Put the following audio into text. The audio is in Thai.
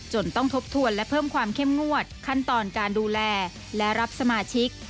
ต้องทบทวนและเพิ่มความเข้มงวดขั้นตอนการดูแลและรับสมาชิก